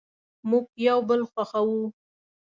مونږ یو بل خوښوو